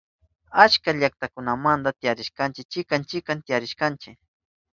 Achka llaktakunamanta tantarishpanchi chikan chikan tiyarishkanchi.